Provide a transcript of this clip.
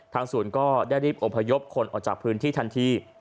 ศูนย์ก็ได้รีบอบพยพคนออกจากพื้นที่ทันที